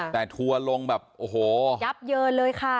แต่ทัวร์ลงแบบโอ้โหยับเยินเลยค่ะ